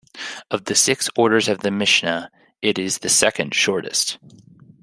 Of the six orders of the Mishnah, it is the second shortest.